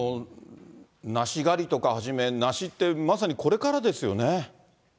なし狩りとかはじめ、なしって、まさにこれからですよね。